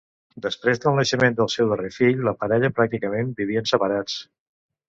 Després del naixement del seu darrer fill, la parella pràcticament vivien separats.